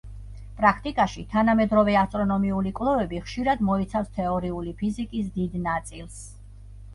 პრაქტიკაში, თანამედროვე ასტრონომიული კვლევები ხშირად მოიცავს თეორიული ფიზიკის დიდ ნაწილს.